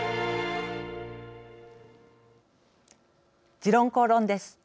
「時論公論」です。